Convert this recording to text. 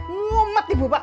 ngumet ibu pak